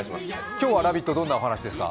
今日は「ラヴィット！」、どんなお話ですか？